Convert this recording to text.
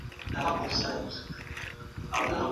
د ماخذونو ښوول لیکنه مستندوي.